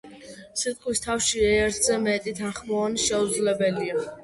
სიტყვის თავში ერთზე მეტი თანხმოვანი შეუძლებელია.